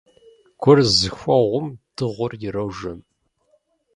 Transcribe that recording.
Гур зыхуэгъум дыгъур ирожэ.